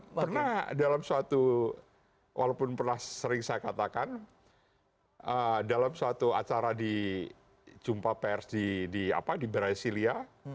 pernah dalam suatu walaupun pernah sering saya katakan dalam suatu acara di jumpa pers di brasilia